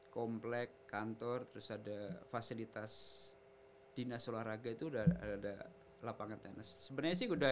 komplek kantor terus ada fasilitas dinas olahraga itu udah ada lapangan tenis sebenarnya sih udah